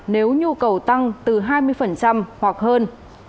nếu nhu cầu tăng từ hai mươi hoặc hơn